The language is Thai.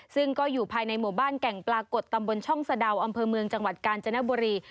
ซึ่งก็อยู่ภายในหมู่บ้านแก่งปรากฏตำบลช่องสะดาวอำเภอเมืองจังหวัดกาญจนบุรี